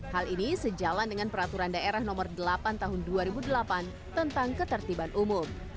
hal ini sejalan dengan peraturan daerah nomor delapan tahun dua ribu delapan tentang ketertiban umum